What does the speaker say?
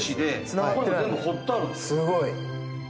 すごい。